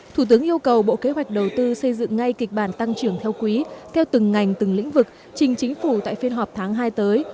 thủ tướng yêu cầu bộ kế hoạch đầu tư xây dựng ngay kịch bản tăng trưởng theo quý theo từng ngành từng lĩnh vực trình chính phủ tại phiên họp tháng hai tới